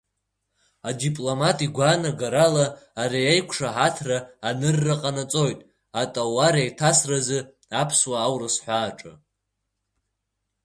Адипломат игәаанагарала ари аиқәшаҳаҭра анырра ҟанаҵоит атауареиҭарсразы аԥсуа-аурыс ҳәааҿы.